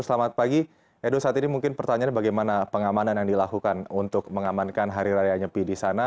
selamat pagi edo saat ini mungkin pertanyaan bagaimana pengamanan yang dilakukan untuk mengamankan hari raya nyepi di sana